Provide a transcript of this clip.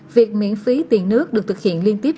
việc miễn phí tiền nước được thực hiện liên tiếp